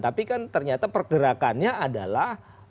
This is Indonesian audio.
tapi kan ternyata pergerakannya adalah